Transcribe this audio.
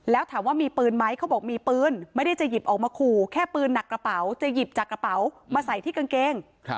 แล้วถามว่ามีปืนไหมเขาบอกมีปืนไม่ได้จะหยิบออกมาขู่แค่ปืนหนักกระเป๋าจะหยิบจากกระเป๋ามาใส่ที่กางเกง